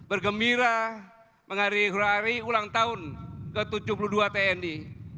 saya bergembira menghari hari ulang tahun ke tujuh puluh dua tni